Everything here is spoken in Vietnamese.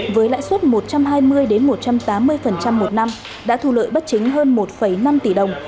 với lãi suất một trăm hai mươi một trăm tám mươi một năm đã thu lợi bất chính hơn một năm tỷ đồng